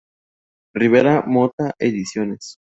Rivera Mota Ediciones.